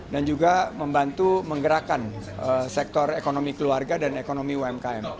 dan juga membantu menggerakkan sektor ekonomi keluarga dan ekonomi umkm